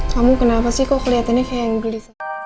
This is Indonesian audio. kamu kenapa sih kok kelihatannya kayak yang beli